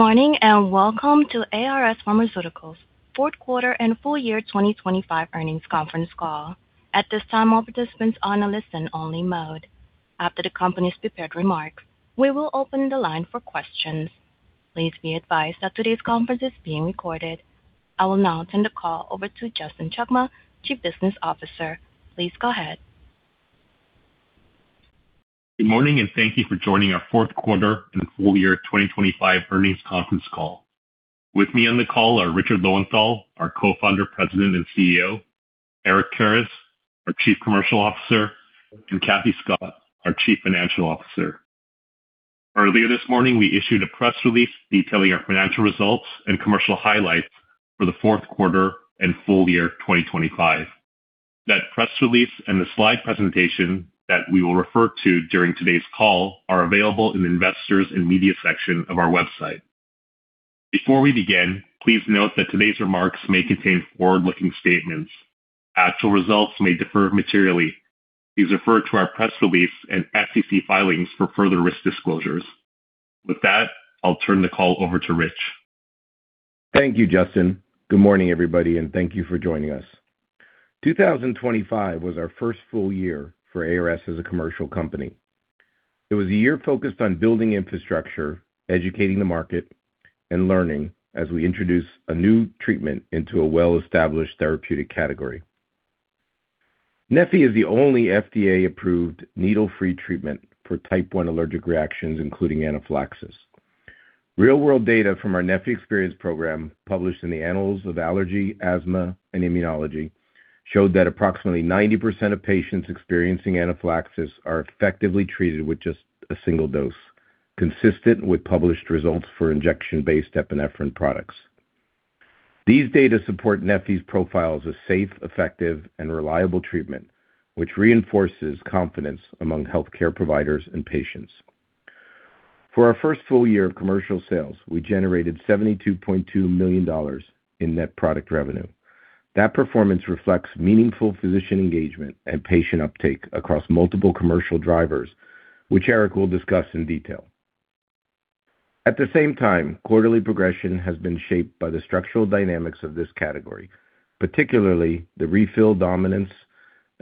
Good morning and welcome to ARS Pharmaceuticals' Fourth Quarter and Full Year 2025 Earnings Conference Call. At this time, all participants are on a listen only mode. After the company's prepared remarks, we will open the line for questions. Please be advised that today's conference is being recorded. I will now turn the call over to Justin Chakma, Chief Business Officer. Please go ahead. Good morning. Thank you for joining our fourth quarter and full year 2025 earnings conference call. With me on the call are Richard Lowenthal, our Co-founder, President, and CEO, Eric Karas, our Chief Commercial Officer, and Kathy Scott, our Chief Financial Officer. Earlier this morning, we issued a press release detailing our financial results and commercial highlights for the fourth quarter and full year 2025. That press release and the slide presentation that we will refer to during today's call are available in the Investors and Media section of our website. Before we begin, please note that today's remarks may contain forward-looking statements. Actual results may differ materially. Please refer to our press release and SEC filings for further risk disclosures. With that, I'll turn the call over to Rich. Thank you, Justin. Good morning, everybody, thank you for joining us. 2025 was our first full year for ARS as a commercial company. It was a year focused on building infrastructure, educating the market, and learning as we introduce a new treatment into a well-established therapeutic category. neffy is the only FDA-approved needle-free treatment for Type I allergic reactions, including anaphylaxis. Real-world data from our neffy Experience Program, published in the Annals of Allergy, Asthma & Immunology, showed that approximately 90% of patients experiencing anaphylaxis are effectively treated with just a single dose, consistent with published results for injection-based epinephrine products. These data support neffy's profile as a safe, effective, and reliable treatment, which reinforces confidence among healthcare providers and patients. For our first full year of commercial sales, we generated $72.2 million in net product revenue. That performance reflects meaningful physician engagement and patient uptake across multiple commercial drivers, which Eric will discuss in detail. At the same time, quarterly progression has been shaped by the structural dynamics of this category, particularly the refill dominance,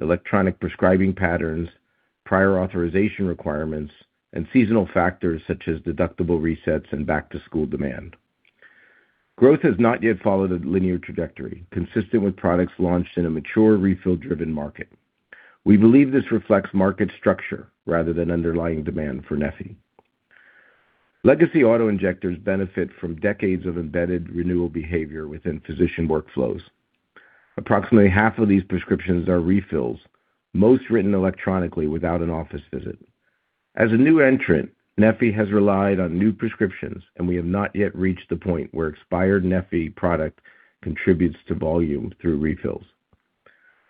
electronic prescribing patterns, prior authorization requirements, and seasonal factors such as deductible resets and back-to-school demand. Growth has not yet followed a linear trajectory consistent with products launched in a mature, refill-driven market. We believe this reflects market structure rather than underlying demand for neffy. Legacy auto-injectors benefit from decades of embedded renewal behavior within physician workflows. Approximately half of these prescriptions are refills, most written electronically without an office visit. As a new entrant, neffy has relied on new prescriptions, and we have not yet reached the point where expired neffy product contributes to volume through refills.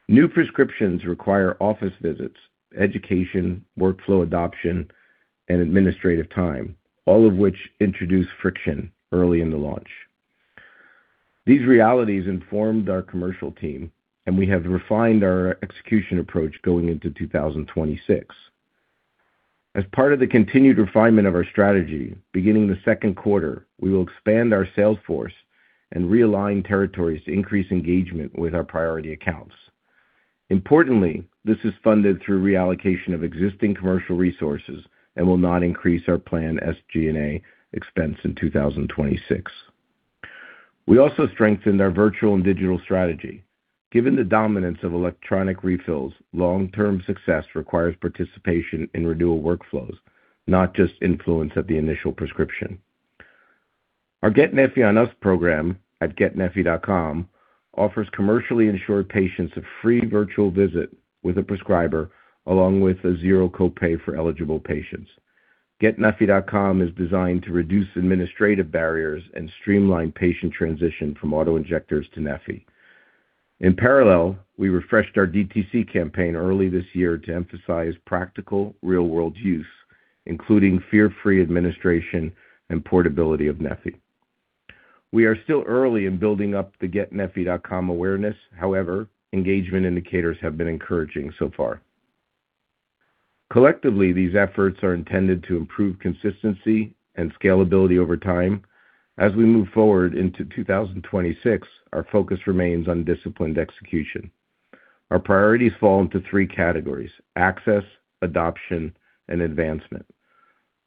New prescriptions require office visits, education, workflow adoption, and administrative time, all of which introduce friction early in the launch. These realities informed our commercial team, and we have refined our execution approach going into 2026. As part of the continued refinement of our strategy, beginning in the second quarter, we will expand our sales force and realign territories to increase engagement with our priority accounts. Importantly, this is funded through reallocation of existing commercial resources and will not increase our planned SG&A expense in 2026. We also strengthened our virtual and digital strategy. Given the dominance of electronic refills, long-term success requires participation in renewal workflows, not just influence at the initial prescription. Our "Get neffy on Us" program at getneffy.com offers commercially insured patients a free virtual visit with a prescriber, along with a zero copay for eligible patients. getneffy.com is designed to reduce administrative barriers and streamline patient transition from auto-injectors to neffy. In parallel, we refreshed our DTC campaign early this year to emphasize practical real-world use, including fear-free administration and portability of neffy. We are still early in building up the getneffy.com awareness. Engagement indicators have been encouraging so far. Collectively, these efforts are intended to improve consistency and scalability over time. We move forward into 2026, our focus remains on disciplined execution. Our priorities fall into three categories: access, adoption, and advancement.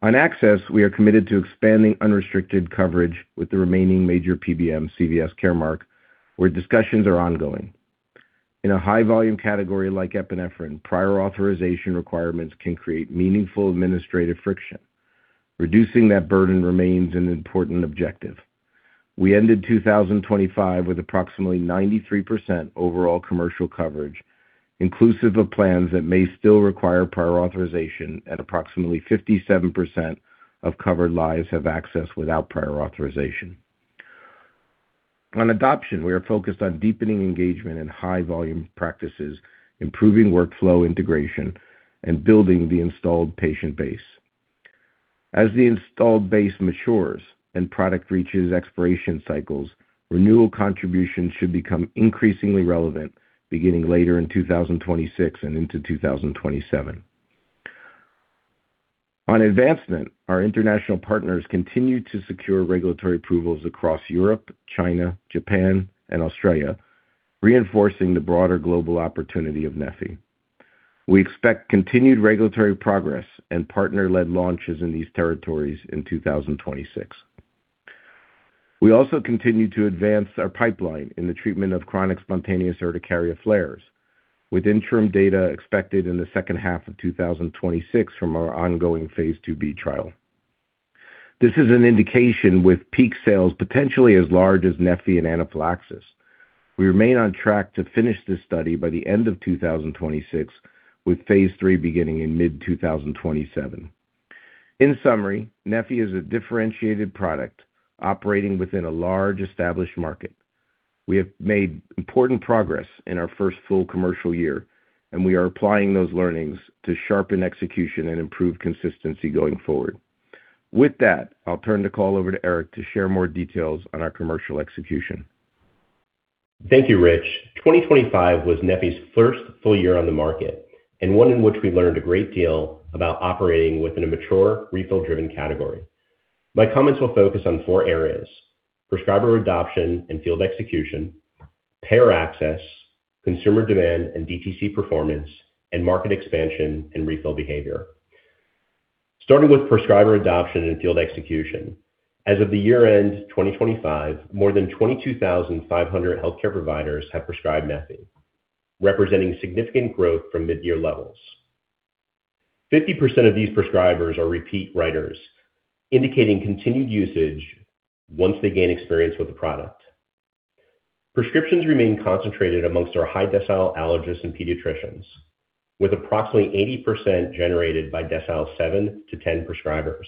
On access, we are committed to expanding unrestricted coverage with the remaining major PBM CVS Caremark, where discussions are ongoing. In a high volume category like epinephrine, prior authorization requirements can create meaningful administrative friction. Reducing that burden remains an important objective. We ended 2025 with approximately 93% overall commercial coverage, inclusive of plans that may still require prior authorization at approximately 57% of covered lives have access without prior authorization. On adoption, we are focused on deepening engagement in high volume practices, improving workflow integration, and building the installed patient base. As the installed base matures and product reaches expiration cycles, renewal contributions should become increasingly relevant beginning later in 2026 and into 2027. On advancement, our international partners continue to secure regulatory approvals across Europe, China, Japan, and Australia, reinforcing the broader global opportunity of neffy. We expect continued regulatory progress and partner-led launches in these territories in 2026. We also continue to advance our pipeline in the treatment of chronic spontaneous urticaria flares, with interim data expected in the second half of 2026 from our ongoing Phase 2b trial. This is an indication with peak sales potentially as large asneffy and anaphylaxis. We remain on track to finish this study by the end of 2026, with Phase 3 beginning in mid-2027. In summary, neffy is a differentiated product operating within a large established market. We have made important progress in our first full commercial year, we are applying those learnings to sharpen execution and improve consistency going forward. I'll turn the call over to Eric to share more details on our commercial execution. Thank you, Rich. 2025 was neffy's first full year on the market and one in which we learned a great deal about operating within a mature, refill-driven category. My comments will focus on four areas: prescriber adoption and field execution, payer access, consumer demand and DTC performance, and market expansion and refill behavior. Starting with prescriber adoption and field execution. As of the year-end 2025, more than 22,500 healthcare providers have prescribed neffy, representing significant growth from mid-year levels. 50% of these prescribers are repeat writers, indicating continued usage once they gain experience with the product. Prescriptions remain concentrated amongst our high-decile allergists and pediatricians, with approximately 80% generated by decile seven to ten prescribers.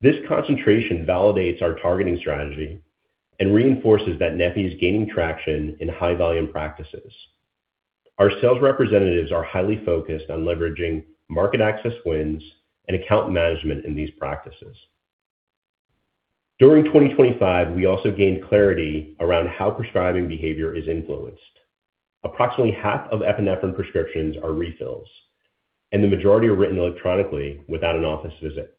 This concentration validates our targeting strategy and reinforces that neffy is gaining traction in high-volume practices. Our sales representatives are highly focused on leveraging market access wins and account management in these practices. During 2025, we also gained clarity around how prescribing behavior is influenced. Approximately half of epinephrine prescriptions are refills, and the majority are written electronically without an office visit.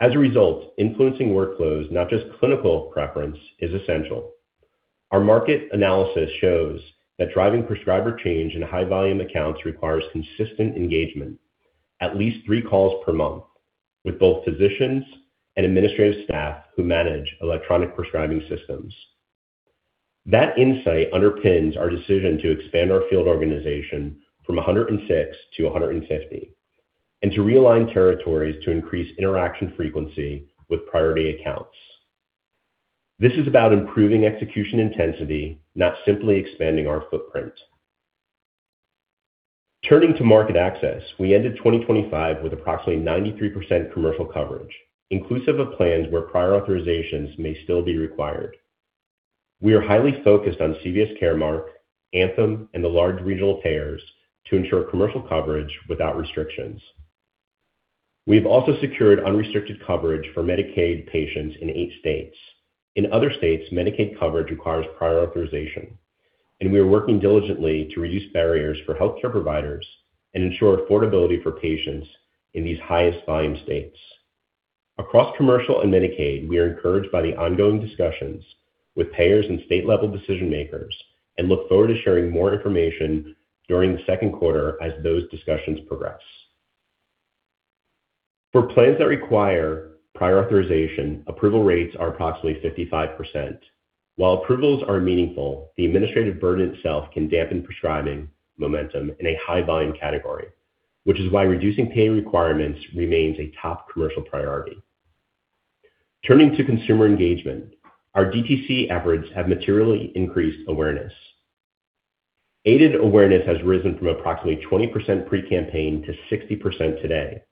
As a result, influencing workflows, not just clinical preference, is essential. Our market analysis shows that driving prescriber change in high-volume accounts requires consistent engagement, at least three calls per month, with both physicians and administrative staff who manage electronic prescribing systems. That insight underpins our decision to expand our field organization from 106 to 150 and to realign territories to increase interaction frequency with priority accounts. This is about improving execution intensity, not simply expanding our footprint. Turning to market access, we ended 2025 with approximately 93% commercial coverage, inclusive of plans where prior authorizations may still be required. We are highly focused on CVS Caremark, Anthem, and the large regional payers to ensure commercial coverage without restrictions. We have also secured unrestricted coverage for Medicaid patients in eight states. In other states, Medicaid coverage requires prior authorization, we are working diligently to reduce barriers for healthcare providers and ensure affordability for patients in these highest volume states. Across commercial and Medicaid, we are encouraged by the ongoing discussions with payers and state-level decision-makers and look forward to sharing more information during the second quarter as those discussions progress. For plans that require prior authorization, approval rates are approximately 55%. While approvals are meaningful, the administrative burden itself can dampen prescribing momentum in a high-volume category, which is why reducing pay requirements remains a top commercial priority. Turning to consumer engagement, our DTC efforts have materially increased awareness. Aided awareness has risen from approximately 20% pre-campaign to 60% today.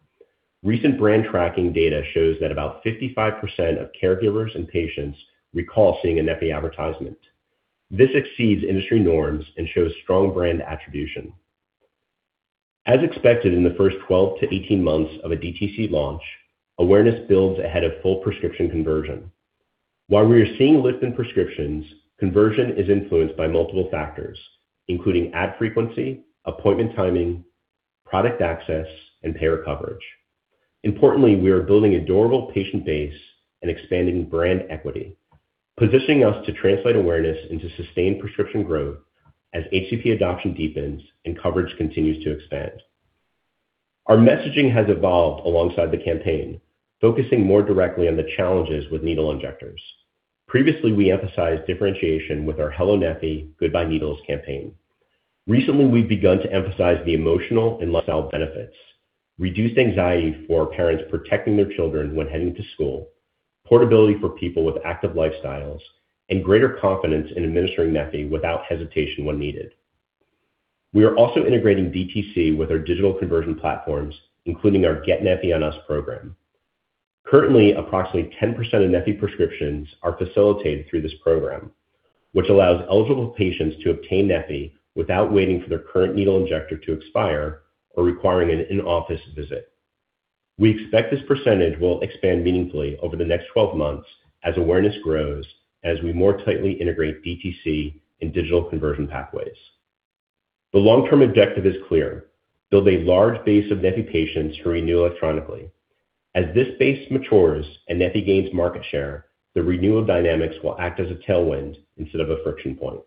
Recent brand tracking data shows that about 55% of caregivers and patients recall seeing a neffy advertisement. This exceeds industry norms and shows strong brand attribution. As expected in the first 12-18 months of a DTC launch, awareness builds ahead of full prescription conversion. While we are seeing lift in prescriptions, conversion is influenced by multiple factors, including ad frequency, appointment timing, product access, and payer coverage. Importantly, we are building a durable patient base and expanding brand equity, positioning us to translate awareness into sustained prescription growth as HCP adoption deepens and coverage continues to expand. Our messaging has evolved alongside the campaign, focusing more directly on the challenges with needle injectors. Previously, we emphasized differentiation with our "Hello, neffy. Goodbye Needles!" campaign. Recently, we've begun to emphasize the emotional and lifestyle benefits, reduced anxiety for parents protecting their children when heading to school, portability for people with active lifestyles, and greater confidence in administering neffy without hesitation when needed. We are also integrating DTC with our digital conversion platforms, including our "Get neffy on Us" program. Currently, approximately 10% of neffy prescriptions are facilitated through this program, which allows eligible patients to obtain neffy without waiting for their current needle injector to expire or requiring an in-office visit. We expect this percentage will expand meaningfully over the next 12 months as awareness grows, as we more tightly integrate DTC and digital conversion pathways. The long-term objective is clear, build a large base of neffy patients who renew electronically. As this base matures and neffy gains market share, the renewal dynamics will act as a tailwind instead of a friction point.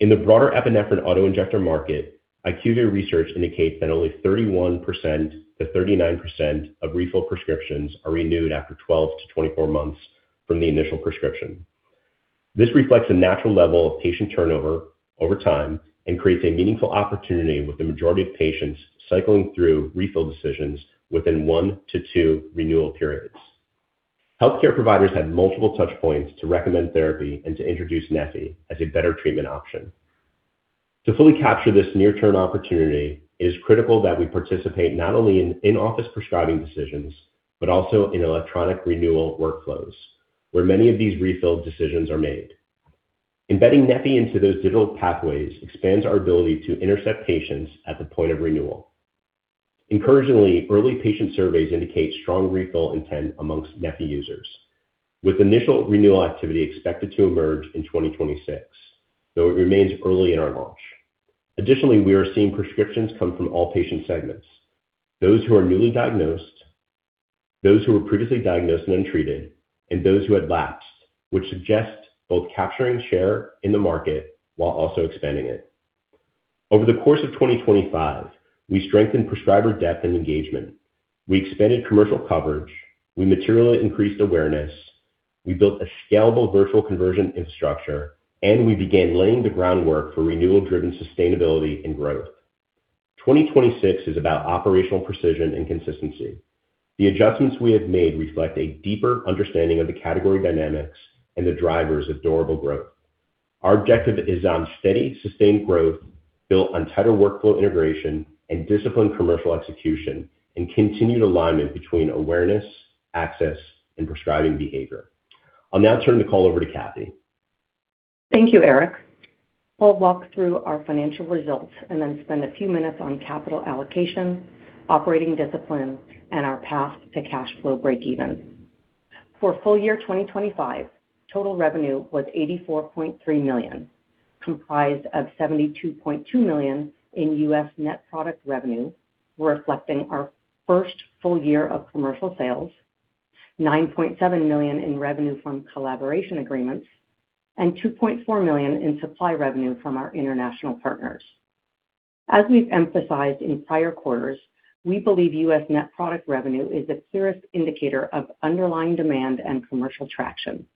In the broader epinephrine auto-injector market, IQVIA research indicates that only 31%-39% of refill prescriptions are renewed after 12-24 months from the initial prescription. This reflects a natural level of patient turnover over time and creates a meaningful opportunity with the majority of patients cycling through refill decisions within one to two renewal periods. Healthcare providers have multiple touch points to recommend therapy and to introduce neffy as a better treatment option. To fully capture this near-term opportunity, it is critical that we participate not only in in-office prescribing decisions, but also in electronic renewal workflows, where many of these refill decisions are made. Embedding neffy into those digital pathways expands our ability to intercept patients at the point of renewal. Encouragingly, early patient surveys indicate strong refill intent amongst neffy users, with initial renewal activity expected to emerge in 2026, though it remains early in our launch. Additionally, we are seeing prescriptions come from all patient segments, those who are newly diagnosed, those who were previously diagnosed and untreated, and those who had lapsed, which suggests both capturing share in the market while also expanding it. Over the course of 2025, we strengthened prescriber depth and engagement. We expanded commercial coverage. We materially increased awareness. We built a scalable virtual conversion infrastructure, and we began laying the groundwork for renewal-driven sustainability and growth. 2026 is about operational precision and consistency. The adjustments we have made reflect a deeper understanding of the category dynamics and the drivers of durable growth. Our objective is on steady, sustained growth built on tighter workflow integration and disciplined commercial execution and continued alignment between awareness, access, and prescribing behavior. I'll now turn the call over to Kathy. Thank you, Eric. I'll walk through our financial results and then spend a few minutes on capital allocation, operating discipline, and our path to cash flow breakeven. For full year 2025, total revenue was $84.3 million, comprised of $72.2 million in U.S. net product revenue, reflecting our first full year of commercial sales, $9.7 million in revenue from collaboration agreements, and $2.4 million in supply revenue from our international partners. As we've emphasized in prior quarters, we believe U.S. net product revenue is the clearest indicator of underlying demand and commercial traction.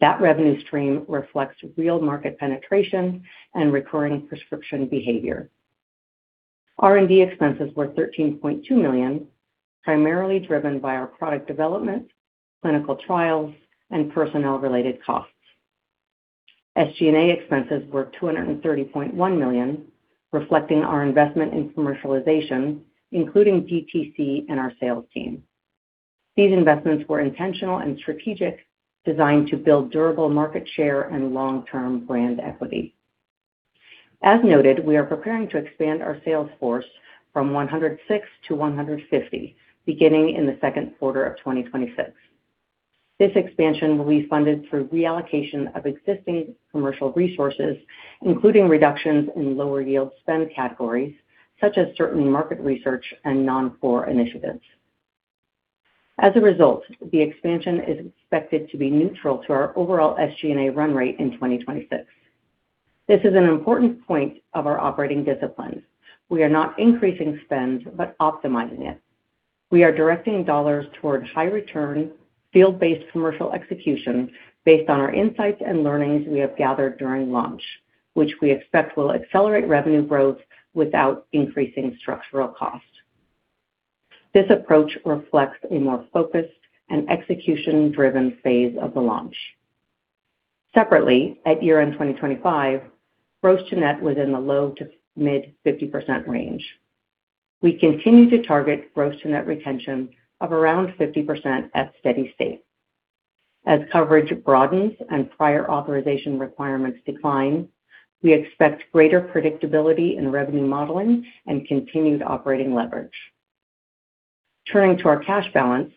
That revenue stream reflects real market penetration and recurring prescription behavior. R&D expenses were $13.2 million, primarily driven by our product development, clinical trials, and personnel-related costs. SG&A expenses were $230.1 million, reflecting our investment in commercialization, including DTC and our sales team. These investments were intentional and strategic, designed to build durable market share and long-term brand equity. As noted, we are preparing to expand our sales force from 106 to 150 beginning in the second quarter of 2026. This expansion will be funded through reallocation of existing commercial resources, including reductions in lower yield spend categories such as certain market research and non-core initiatives. As a result, the expansion is expected to be neutral to our overall SG&A run rate in 2026. This is an important point of our operating disciplines. We are not increasing spend, but optimizing it. We are directing dollars toward high return, field-based commercial execution based on our insights and learnings we have gathered during launch, which we expect will accelerate revenue growth without increasing structural costs. This approach reflects a more focused and execution-driven phase of the launch. Separately, at year-end 2025, gross-to-net was in the low to mid 50% range. We continue to target gross-to-net retention of around 50% at steady state. As coverage broadens and prior authorization requirements decline, we expect greater predictability in revenue modeling and continued operating leverage. Turning to our cash balance,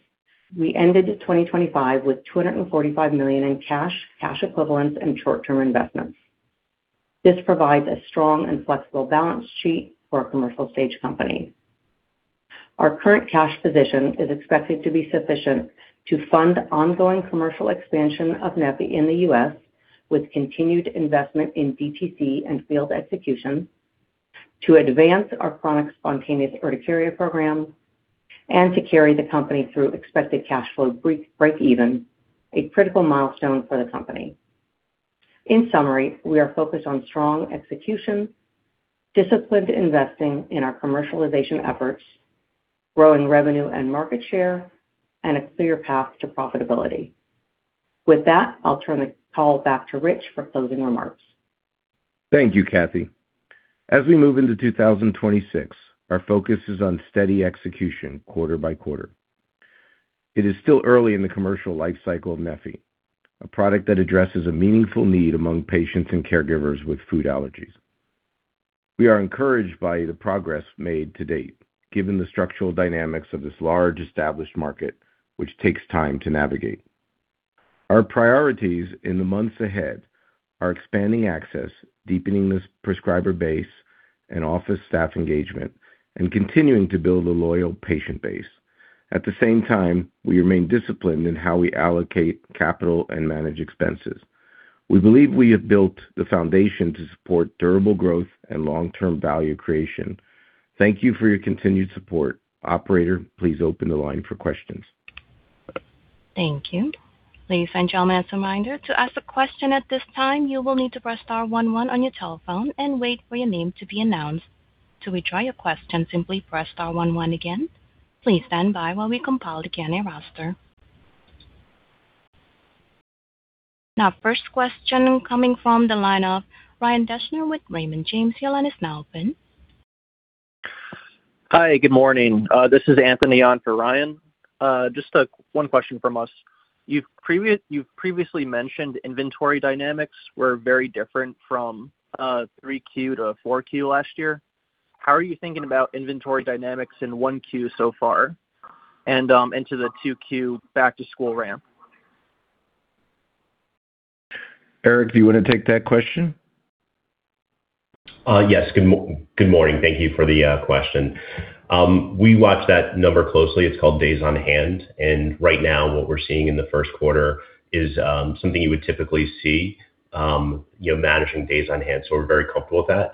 we ended 2025 with $245 million in cash equivalents, and short-term investments. This provides a strong and flexible balance sheet for a commercial stage company. Our current cash position is expected to be sufficient to fund ongoing commercial expansion of neffy in the U.S. with continued investment in DTC and field execution to advance our chronic spontaneous urticaria program and to carry the company through expected cash flow breakeven, a critical milestone for the company. In summary, we are focused on strong execution, disciplined investing in our commercialization efforts, growing revenue and market share, and a clear path to profitability. With that, I'll turn the call back to Rich for closing remarks. Thank you, Kathy. As we move into 2026, our focus is on steady execution quarter by quarter. It is still early in the commercial life cycle of neffy, a product that addresses a meaningful need among patients and caregivers with food allergies. We are encouraged by the progress made to date, given the structural dynamics of this large established market, which takes time to navigate. Our priorities in the months ahead are expanding access, deepening this prescriber base and office staff engagement, and continuing to build a loyal patient base. At the same time, we remain disciplined in how we allocate capital and manage expenses. We believe we have built the foundation to support durable growth and long-term value creation. Thank you for your continued support. Operator, please open the line for questions. Thank you. Ladies and gentlemen, as a reminder to ask a question at this time, you will need to press star one one on your telephone and wait for your name to be announced. To withdraw your question, simply press star one one again. Please stand by while we compile the Q&A roster. First question coming from the line of Ryan Deschner with Raymond James. Your line is now open. Hi. Good morning. This is Anthony on for Ryan. Just one question from us. You've previously mentioned inventory dynamics were very different from 3Q to 4Q last year. How are you thinking about inventory dynamics in 1Q so far and into the 2Q back-to-school ramp? Eric, do you want to take that question? Yes. Good morning. Thank you for the question. We watch that number closely. It's called days on hand. Right now what we're seeing in the first quarter is something you would typically see managing days on hand. We're very comfortable with that.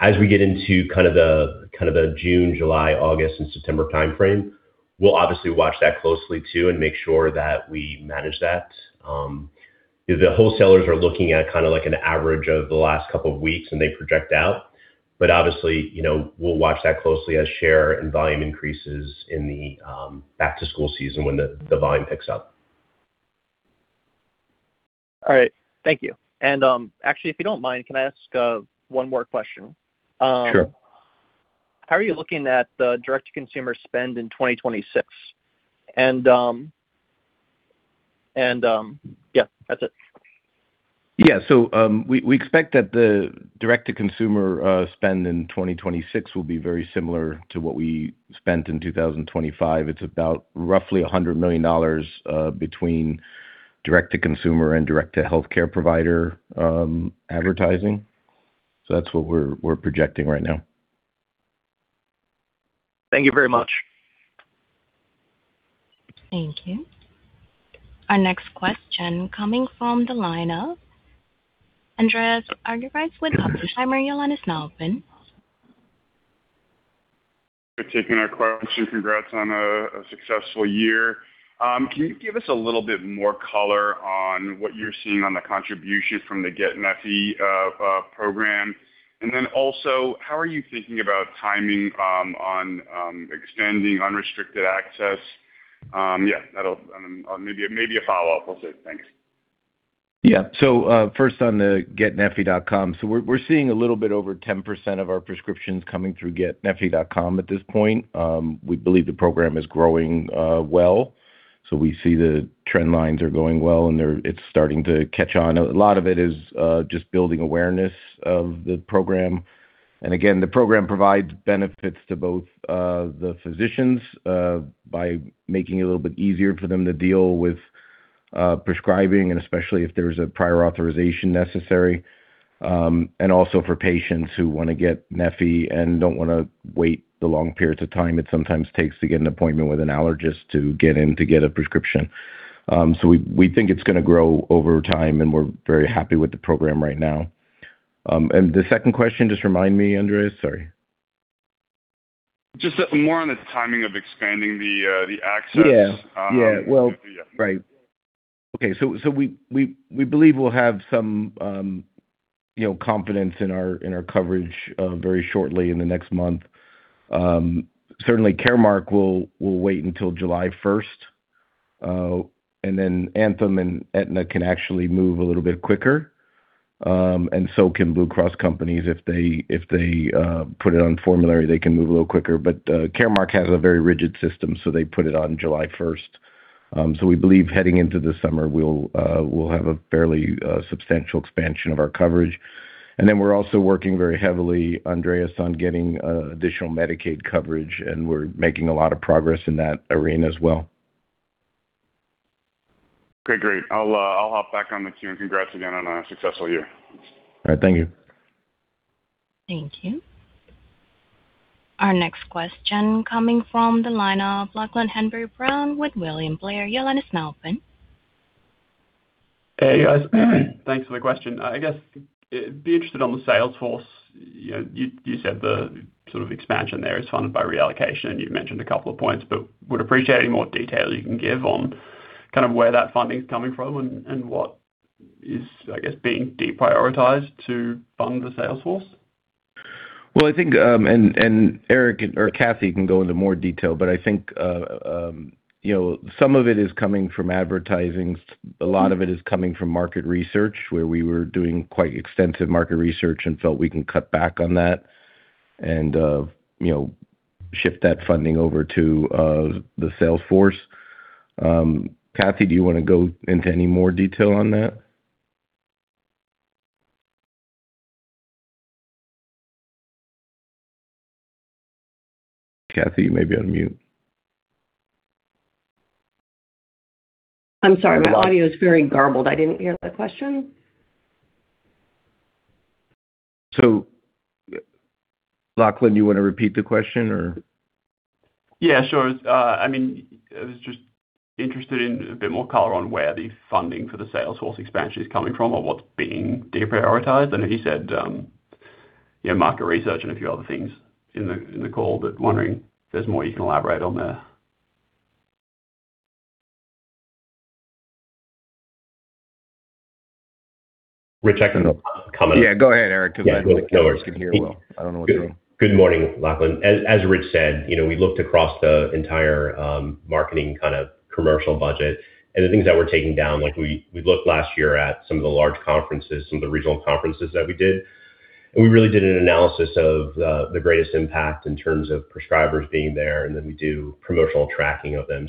As we get into kind of the June, July, August and September timeframe, we'll obviously watch that closely too and make sure that we manage that. The wholesalers are looking at kind of like an average of the last couple of weeks, and they project out. Obviously, you know, we'll watch that closely as share and volume increases in the back-to-school season when the volume picks up. All right. Thank you. Actually, if you don't mind, can I ask, one more question? Sure. How are you looking at the direct-to-consumer spend in 2026? Yeah, that's it. We expect that the direct-to-consumer spend in 2026 will be very similar to what we spent in 2025. It's about roughly $100 million between direct-to-consumer and direct-to-healthcare provider advertising. That's what we're projecting right now. Thank you very much. Thank you. Our next question coming from the line of Andreas Argyrides with Oppenheimer. Your line is now open. For taking our question. Congrats on a successful year. Can you give us a little bit more color on what you're seeing on the contribution from the Get neffy program? How are you thinking about timing on extending unrestricted access? Maybe a follow-up also. Thanks. Yeah. First on the getneffy.com. We're seeing a little bit over 10% of our prescriptions coming through getneffy.com at this point. We believe the program is growing well. We see the trend lines are going well, and it's starting to catch on. A lot of it is just building awareness of the program. Again, the program provides benefits to both the physicians by making it a little bit easier for them to deal with prescribing and especially if there's a prior authorization necessary, and also for patients who wanna get neffy and don't wanna wait the long periods of time it sometimes takes to get an appointment with an allergist to get in to get a prescription. We think it's gonna grow over time, and we're very happy with the program right now. The second question, just remind me, Andreas. Sorry. Just more on the timing of expanding the access. Yeah. Yeah. Yeah. Right. Okay. We believe we'll have some, you know, confidence in our coverage very shortly in the next month. Certainly Caremark will wait until July first, then Anthem and Aetna can actually move a little bit quicker, and so can Blue Cross companies. If they put it on formulary, they can move a little quicker. Caremark has a very rigid system, so they put it on July first. We believe heading into the summer, we'll have a fairly substantial expansion of our coverage. We're also working very heavily, Andreas, on getting additional Medicaid coverage, and we're making a lot of progress in that arena as well. Okay, great. I'll hop back on the queue. Congrats again on a successful year. All right. Thank you. Thank you. Our next question coming from the line of Lachlan Hanbury-Brown with William Blair. Your line is now open. Hey, guys. Thanks for the question. I guess, be interested on the sales force. You said the sort of expansion there is funded by reallocation. You mentioned a couple of points, but would appreciate any more detail you can give on kind of where that funding is coming from and what is, I guess, being deprioritized to fund the sales force. Well, I think, and Eric or Kathy can go into more detail, but I think, you know, some of it is coming from advertising. A lot of it is coming from market research, where we were doing quite extensive market research and felt we can cut back on that. You know, shift that funding over to the sales force. Kathy, do you want to go into any more detail on that? Kathy, you may be on mute. I'm sorry. My audio is very garbled. I didn't hear the question. Lachlan, you want to repeat the question or? Sure. I mean, I was just interested in a bit more color on where the funding for the sales force expansion is coming from or what's being deprioritized. I know you said, you know, market research and a few other things in the call, but wondering if there's more you can elaborate on there. Rich, I can comment. Yeah, go ahead, Eric, because I don't think Kathy Scott can hear well. I don't know what the... Good morning, Lachlan. As Rich said, you know, we looked across the entire marketing kind of commercial budget and the things that we're taking down, like we looked last year at some of the large conferences, some of the regional conferences that we did. We really did an analysis of the greatest impact in terms of prescribers being there, and then we do promotional tracking of them.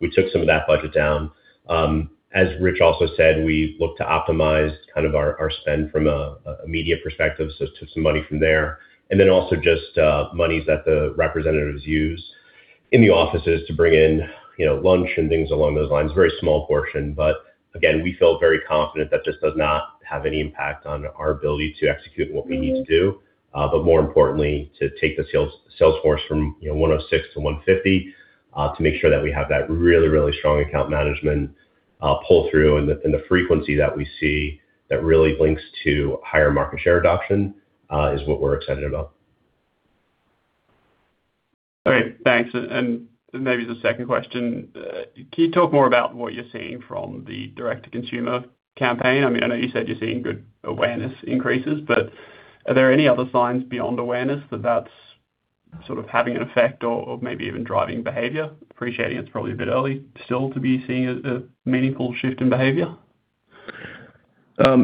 We took some of that budget down. As Rich also said, we look to optimize kind of our spend from a media perspective, so took some money from there. Also just monies that the representatives use in the offices to bring in, you know, lunch and things along those lines. Very small portion. Again, we feel very confident that just does not have any impact on our ability to execute what we need to do. More importantly, to take the sales force from, you know, 106 to 150, to make sure that we have that really, really strong account management pull through and the, and the frequency that we see that really links to higher market share adoption, is what we're excited about. Okay, thanks. Maybe the second question, can you talk more about what you're seeing from the direct-to-consumer campaign? I mean, I know you said you're seeing good awareness increases, but are there any other signs beyond awareness that that's sort of having an effect or maybe even driving behavior? Appreciating it's probably a bit early still to be seeing a meaningful shift in behavior.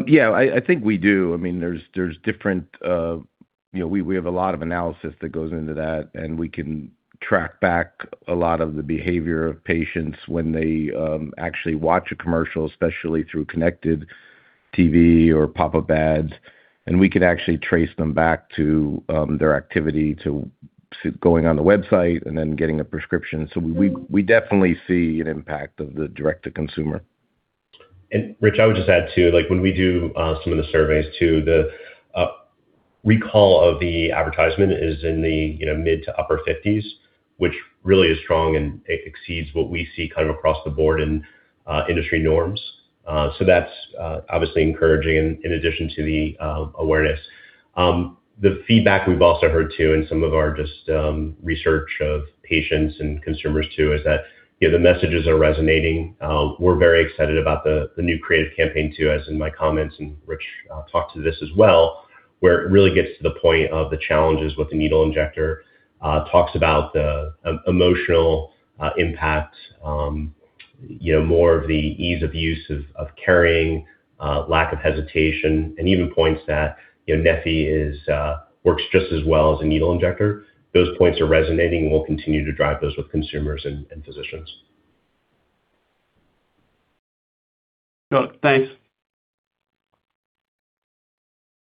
Yeah, I think we do. I mean, there's different, you know, we have a lot of analysis that goes into that, and we can track back a lot of the behavior of patients when they actually watch a commercial, especially through connected TV or pop-up ads. We can actually trace them back to their activity to going on the website and then getting a prescription. We definitely see an impact of the direct-to-consumer. Rich, I would just add too, like when we do some of the surveys too, the recall of the advertisement is in the, you know, mid to upper 50s, which really is strong, and it exceeds what we see kind of across the board in industry norms. That's obviously encouraging in addition to the awareness. The feedback we've also heard too in some of our just research of patients and consumers too, is that, you know, the messages are resonating. We're very excited about the new creative campaign too, as in my comments, and Rich talked to this as well, where it really gets to the point of the challenges with the needle injector. Talks about the emotional impact, you know, more of the ease of use of carrying, lack of hesitation and even points that, you know, neffy is works just as well as a needle injector. Those points are resonating, and we'll continue to drive those with consumers and physicians. Sure. Thanks.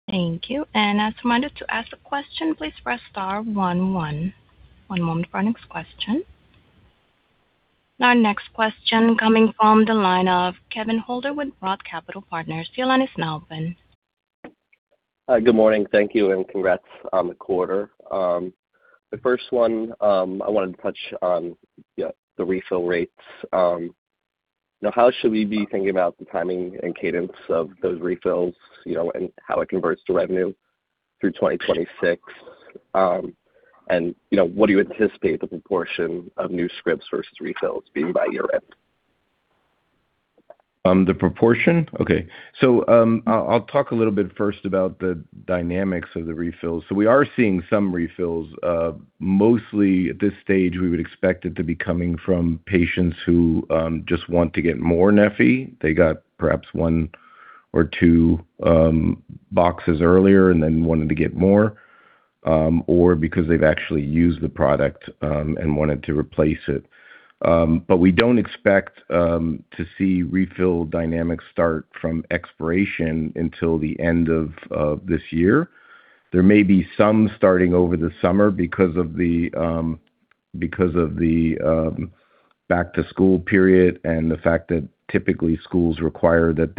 Thank you. As reminded to ask a question, please press star one one. One moment for our next question. Our next question coming from the line of Kevin Holder with ROTH Capital Partners. Your line is now open. Hi. Good morning. Thank you, and congrats on the quarter. The first one, I wanted to touch on, yeah, the refill rates. Now how should we be thinking about the timing and cadence of those refills, you know, and how it converts to revenue through 2026? You know, what do you anticipate the proportion of new scripts versus refills being by year-end? The proportion? I'll talk a little bit first about the dynamics of the refills. We are seeing some refills. Mostly at this stage we would expect it to be coming from patients who just want to get more neffy. They got perhaps one or two boxes earlier and then wanted to get more, or because they've actually used the product and wanted to replace it. We don't expect to see refill dynamics start from expiration until the end of this year. There may be some starting over the summer because of the back to school period and the fact that typically schools require that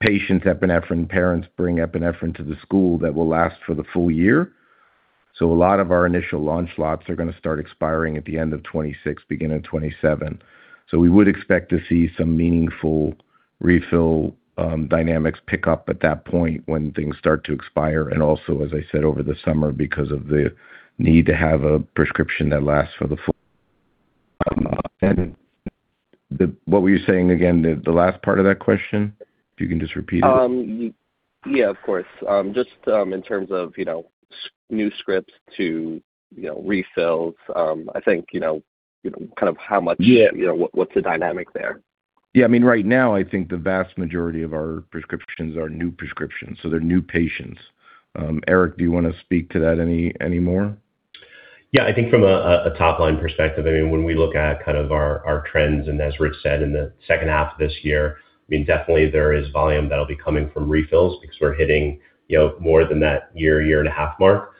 patients' epinephrine, parents bring epinephrine to the school that will last for the full year. A lot of our initial launch lots are gonna start expiring at the end of 2026, beginning of 2027. We would expect to see some meaningful refill dynamics pick up at that point when things start to expire and also, as I said, over the summer because of the need to have a prescription that lasts for the full. What were you saying again? The last part of that question? If you can just repeat it. Yeah. Of course. Just, in terms of, you know, new scripts to, you know, refills. I think, you know, kind of Yeah. You know, what's the dynamic there? I mean, right now, I think the vast majority of our prescriptions are new prescriptions, so they're new patients. Eric, do you wanna speak to that any more? I think from a top line perspective, I mean, when we look at kind of our trends, as Rich said in the second half of this year, I mean, definitely there is volume that'll be coming from refills because we're hitting, you know, more than that year and a half mark.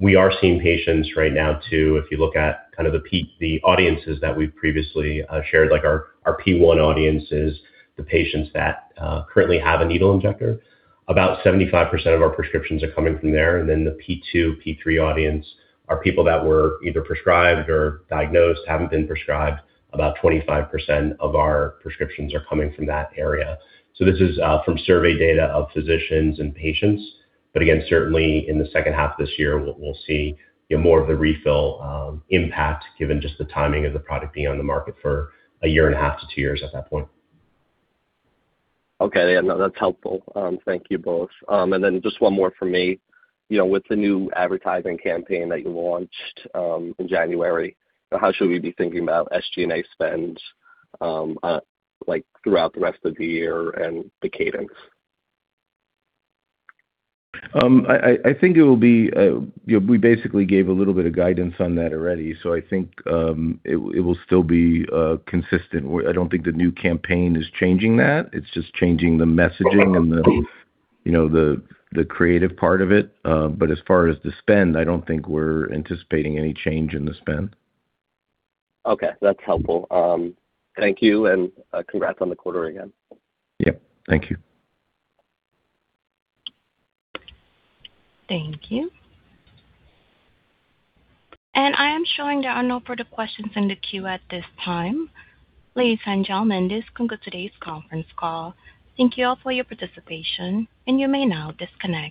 We are seeing patients right now too. If you look at kind of the peak, the audiences that we've previously shared, like our P1 audiences, the patients that currently have a needle injector, about 75% of our prescriptions are coming from there. The P2, P3 audience are people that were either prescribed or diagnosed, haven't been prescribed. About 25% of our prescriptions are coming from that area. This is from survey data of physicians and patients. Certainly in the second half this year, we'll see, you know, more of the refill impact given just the timing of the product being on the market for a year and a half to two years at that point. Okay. Yeah, no, that's helpful. Thank you both. Just one more for me. You know, with the new advertising campaign that you launched, in January, how should we be thinking about SG&A spends, like, throughout the rest of the year and the cadence? I think it will be, you know, we basically gave a little bit of guidance on that already. I think, it will still be consistent. I don't think the new campaign is changing that. It's just changing the messaging and the. Okay. You know, the creative part of it. As far as the spend, I don't think we're anticipating any change in the spend. That's helpful. Thank you, and congrats on the quarter again. Yep. Thank you. Thank you. I am showing there are no further questions in the queue at this time. Ladies and gentlemen, this concludes today's conference call. Thank you all for your participation, and you may now disconnect.